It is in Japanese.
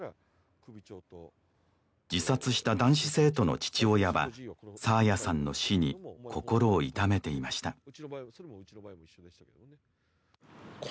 自殺した男子生徒の父親は爽彩さんの死に心を痛めていました